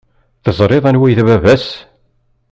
Teẓriḍ anwa i d baba-s?